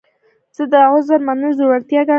زه د عذر منل زړورتیا ګڼم.